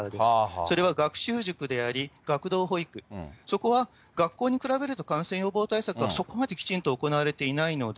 それは学習塾であり、学童保育、そこは学校に比べると、感染予防対策がそこまできちんと行われていないので。